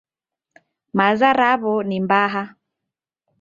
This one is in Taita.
Maza raw'o ni mbaha